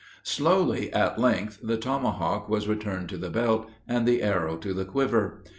Slowly at length, the tomahawk was returned to the belt, and the arrow to the quiver.